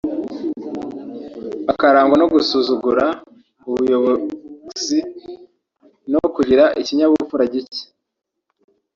akarangwa no gusuzugura ubuyobokzi no kugira ikinyabupfura gike